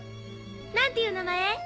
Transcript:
何ていう名前？